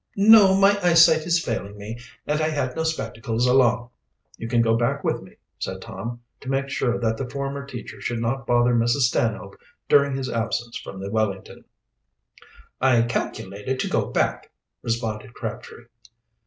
"No, my eyesight is failing me and I had no spectacles along." "Well, you can go back with me," said Tom, to make sure that the former teacher should not bother Mrs. Stanhope during his absence from the Wellington. "I calculated to go back," responded Crabtree.